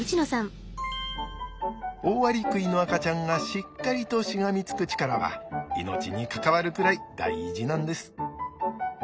オオアリクイの赤ちゃんがしっかりとしがみつく力は命に関わるくらい大事なんです。